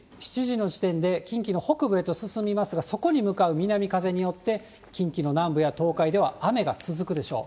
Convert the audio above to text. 中心が、夕方の６時、７時の時点で近畿の北部へと進みますが、そこに向かう南風によって、近畿の南部や東海では雨が続くでしょう。